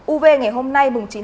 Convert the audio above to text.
uv ngày hôm nay mùng chín tháng sáu